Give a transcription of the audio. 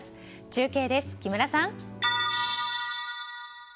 中継です、木村さん。